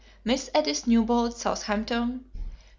Miss Edith Newbold, Southampton, L.I.